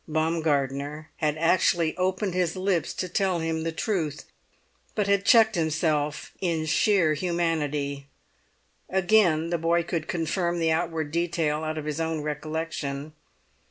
Baumgartner had actually opened his lips to tell him the truth, but had checked himself in sheer humanity. Again the boy could confirm the outward detail out of his own recollection.